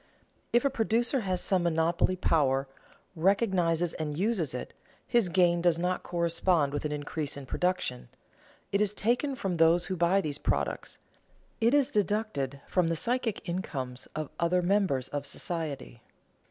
_ If a producer has some monopoly power, recognizes and uses it, his gain does not correspond with an increase in production. It is taken from those who buy these products, it is deducted from the psychic incomes of other members of society.